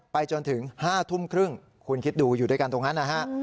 จนถึง๕ทุ่มครึ่งคุณคิดดูอยู่ด้วยกันตรงนั้นนะฮะ